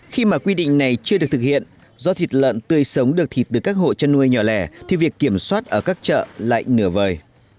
khi mà quy định này chưa được thực hiện do thịt lợn tươi sống được thịt từ các hộ chăn nuôi nhỏ lẻ thì việc kiểm soát ở các chợ lại nửa vời